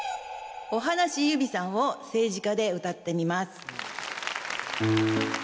『おはなしゆびさん』を政治家で歌ってみます。